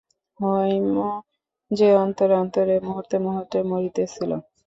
হৈম যে অন্তরে অন্তরে মুহূর্তে মুহূর্তে মরিতেছিল।